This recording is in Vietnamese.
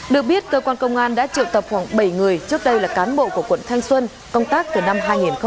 được biết cơ quan công an đã triệu tập khoảng bảy người trước đây là cán bộ của quận thanh xuân công tác từ năm hai nghìn một mươi một